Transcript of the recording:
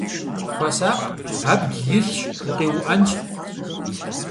Хуэсакъ, абдж илъщ, укъиуӏэнщ.